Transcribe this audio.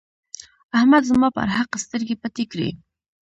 احمد زما پر حق سترګې پټې کړې.